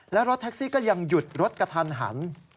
และรถแท็กซี่ก็ยังหยุดรถกระทันหัน